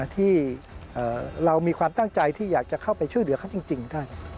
ที่เรามีความตั้งใจที่อยากจะเข้าไปช่วยเหลือเขาจริง